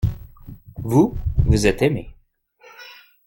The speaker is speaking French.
Vous, vous êtes aimé.